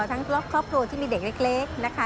ทั้งครอบครัวที่มีเด็กเล็กนะคะ